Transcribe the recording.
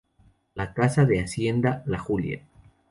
La Casa de Hacienda "La Julia".